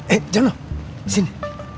eh jangan loh disini